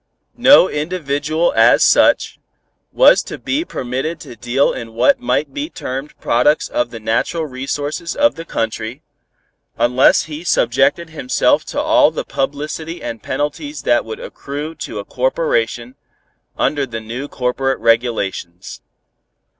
No individual as such, was to be permitted to deal in what might be termed products of the natural resources of the country, unless he subjected himself to all the publicity and penalties that would accrue to a corporation, under the new corporate regulations.